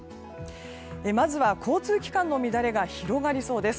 交通機関の乱れが広がりそうです。